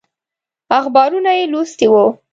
اخبارونه یې لوستي وو.